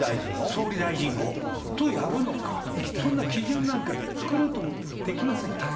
総理大臣をとやるのか、そんな基準なんか作ろうと思ってもできませんよ。